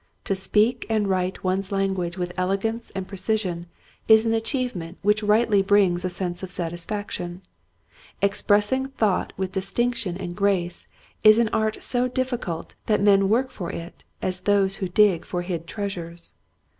To speak and write one's language with elegance and precision is an achievement which rightly brings a sense of satisfaction. Expressing thought with distinction and grace is an art so difficult that men work for it as those who dig for hid treasures.